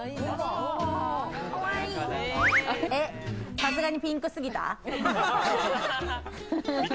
さすがにピンクすぎた？